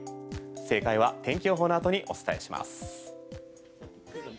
正解は天気予報のあとにお伝えします。